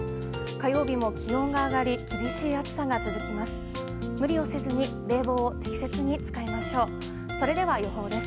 火曜日も気温が上がり厳しい暑さが続きます。